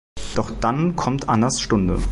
Doch dann kommt Annas Stunde.